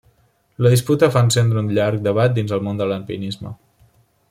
La disputa va encendre un llarg debat dins el món de l'alpinisme.